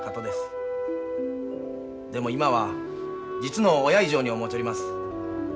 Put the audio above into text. でも今は実の親以上に思うちょります。